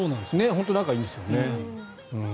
本当に仲がいいんですよね。